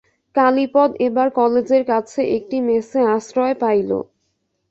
কালীপদ এবার কলেজের কাছে একটি মেসে আশ্রয় পাইল।